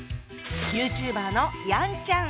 ＹｏｕＴｕｂｅｒのヤンちゃん！